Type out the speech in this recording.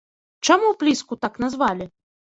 Чаму пліску так назвалі?